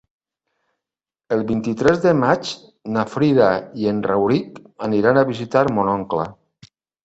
El vint-i-tres de maig na Frida i en Rauric aniran a visitar mon oncle.